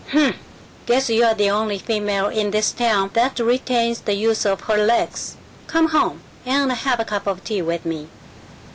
"Humph. Guess you're the only female in this town that retains the use of her legs. Come home and have a cup o' tea with me."